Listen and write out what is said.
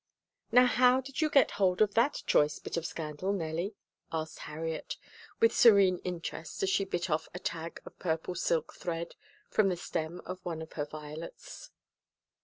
"Now how did you get hold of that choice bit of scandal, Nellie?" asked Harriet, with serene interest as she bit off a tag of purple silk thread from the stem of one of her violets.